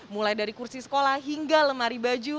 mulai dari kursi sekolah hingga lemari baju